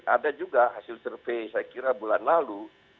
ada juga hasil survei saya kira bulan lalu